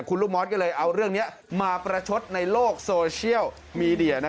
คุณลูกมอสก็เลยเอาเรื่องนี้มาประชดในโลกโซเชียลมีเดีย